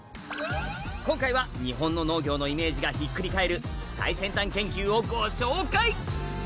今回は日本の農業のイメージがひっくり返る最先端研究をご紹介！